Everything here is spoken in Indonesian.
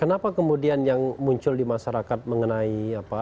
kenapa kemudian yang muncul di masyarakat mengenai apa